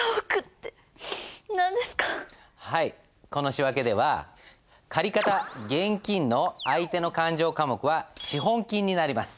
この仕訳では借方現金の相手の勘定科目は資本金になります。